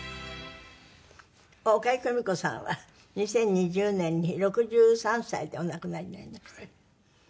岡江久美子さんは２０２０年に６３歳でお亡くなりになりました。